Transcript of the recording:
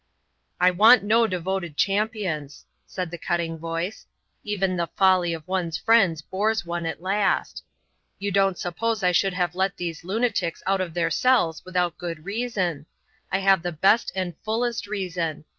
"I want no devoted champions," said the cutting voice; "even the folly of one's friends bores one at last. You don't suppose I should have let these lunatics out of their cells without good reason. I have the best and fullest reason.